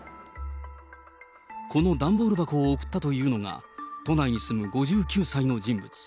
この段ボール箱を送ったというのが、都内に住む５９歳の人物。